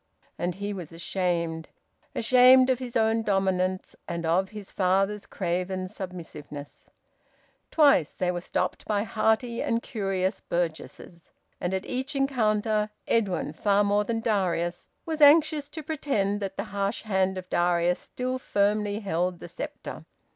And he was ashamed: ashamed of his own dominance and of his father's craven submissiveness. Twice they were stopped by hearty and curious burgesses, and at each encounter Edwin, far more than Darius, was anxious to pretend that the harsh hand of Darius still firmly held the sceptre.